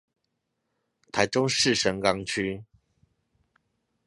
台中市神岡區